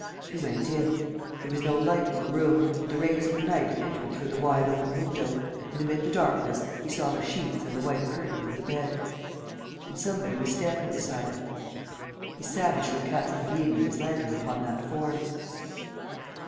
He went in. There was no light in the room, but the rays of the night entered through the wide open window and, amid the darkness, he saw the sheets and the white curtains of the bed. And somebody was standing beside it. He savagely cast the gleam of his lantern upon that form.